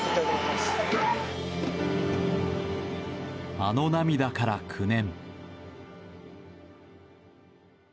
あの涙から９年。